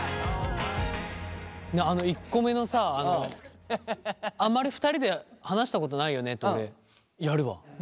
あの１個目のさあまり２人で話したことないよねって俺やるわ。